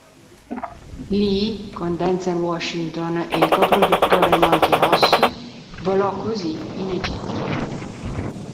Lee, con Denzel Washington e il co-produttore Monty Ross, volò così in Egitto.